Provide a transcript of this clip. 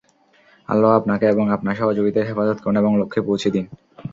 আল্লাহ আপনাকে এবং আপনার সহযোগীদের হেফাজত করুন এবং লক্ষ্যে পৌঁছে দিন।